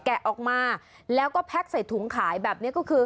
แกะออกมาแล้วก็แพ็กใส่ถุงขายแบบนี้ก็คือ